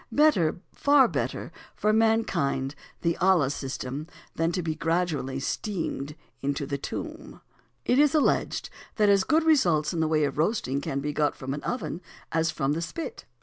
Better, far better for mankind the à la system than to be gradually "steamed" into the tomb! It is alleged that as good results in the way of roasting can be got from an oven as from the spit.